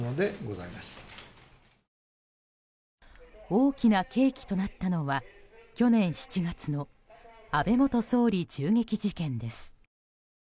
大きな契機となったのは去年７月の安倍元総理銃撃事件です。